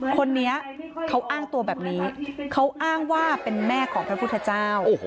คนนี้เขาอ้างตัวแบบนี้เขาอ้างว่าเป็นแม่ของพระพุทธเจ้า